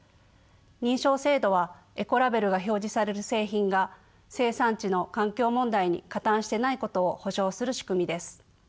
認証制度はエコラベルが表示される製品が生産地の環境問題に加担していないことを保証する仕組みです。